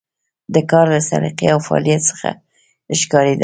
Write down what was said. د کار له سلیقې او فعالیت څخه ښکارېدله.